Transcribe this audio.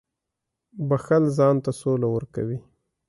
• بښل ځان ته سوله ورکوي.